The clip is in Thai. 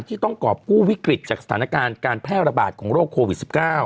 ที่ต้องกรอบกู้วิกฤตจากสถานการณ์การแพร่ระบาดของโรคโควิด๑๙